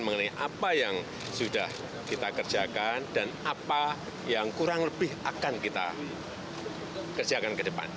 mengenai apa yang sudah kita kerjakan dan apa yang kurang lebih akan kita kerjakan ke depan